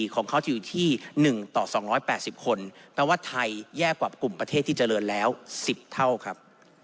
ของเขาจะอยู่ที่๑ต่อ๒๘๐คนแปลว่าไทยแย่กว่ากลุ่มประเทศที่เจริญแล้ว๑๐เท่าครับ